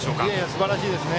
すばらしいですね。